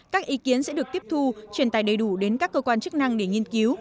các ý kiến sẽ được tiếp thu truyền tài đầy đủ đến các cơ quan chức năng để nghiên cứu